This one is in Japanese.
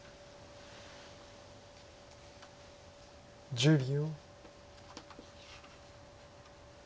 １０秒。